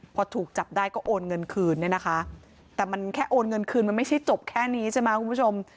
พอถูกจับได้ก็โอนเงินคืนเนี่ยนะคะแต่มันแค่โอนเงินคืนมันไม่ใช่จบแค่นี้ใช่ไหมคุณผู้ชม